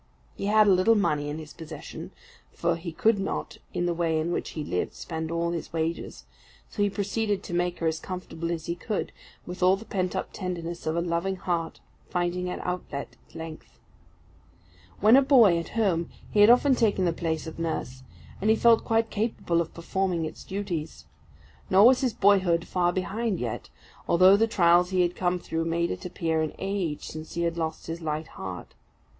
He had a little money in his possession, for he could not, in the way in which he lived, spend all his wages; so he proceeded to make her as comfortable as he could, with all the pent up tenderness of a loving heart finding an outlet at length. When a boy at home, he had often taken the place of nurse, and he felt quite capable of performing its duties. Nor was his boyhood far behind yet, although the trials he had come through made it appear an age since he had lost his light heart.